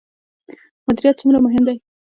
مدیریت څومره مهم دی؟